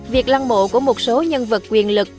việc lăng mộ của một số nhân vật quyền lực